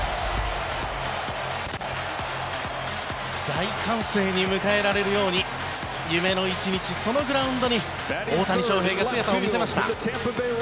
大歓声に迎えられるように夢の１日、そのグラウンドに大谷翔平が姿を見せました。